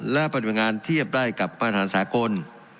และปฏิบัติงานเทียบได้กับประธานสากล